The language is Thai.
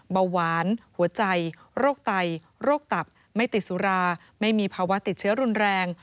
เบาหวานหัวใจโรคไตโรคตับไม่ติดสุราไม่มีภาวะติดเชื้อรุนแรง